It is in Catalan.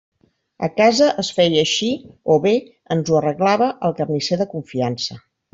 A casa es feia així o bé ens ho arreglava el carnisser de confiança.